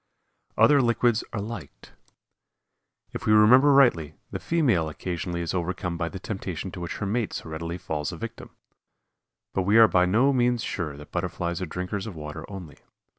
OTHER LIQUIDS ARE LIKED. If we remember rightly, the female occasionally is overcome by the temptation to which her mate so readily falls a victim. But we are by no means sure that Butterflies are drinkers of water only.